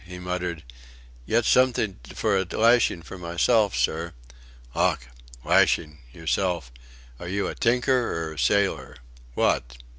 He muttered, "Get som'think for a lashing for myself, sir." "Ough! Lashing yourself. Are you a tinker or a sailor What?